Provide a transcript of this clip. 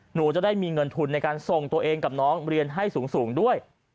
หนูจะได้มีเงินทุนในการส่งตัวเองกับน้องเรียนให้สูงด้วย